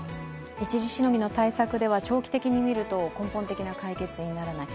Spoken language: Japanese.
一時しのぎの対策では長期的に見ると根本的な解決にならない。